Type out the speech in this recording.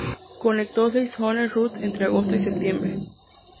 Conectó seis home runs entre agosto y septiembre.